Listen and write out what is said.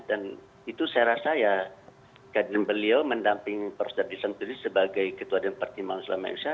dan itu saya rasa ya kaden beliau mendamping pak ustadz dissantudis sebagai ketua dewan pertimbangan maju sulamanya indonesia